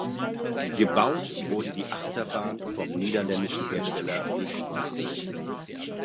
Gebaut wurde die Achterbahn vom niederländischen Hersteller Vekoma.